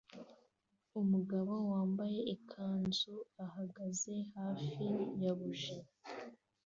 Umugabo wambaye ikanzu ahagaze hafi ya buji